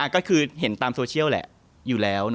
ก็คือเห็นตามโซเชียลแหละอยู่แล้ว